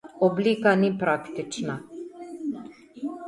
Oblika ni praktična.